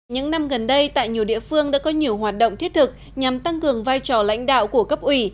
những năm gần đây tại nhiều địa phương đã có nhiều hoạt động thiết thực nhằm tăng cường vai trò lãnh đạo của cấp ủy